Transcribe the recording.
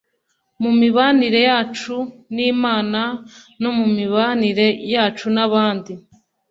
mu mibanire yacu n’Imana no mu mibanire yacu n’abandi